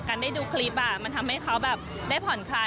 ได้ดูคลิปมันทำให้เขาแบบได้ผ่อนคลาย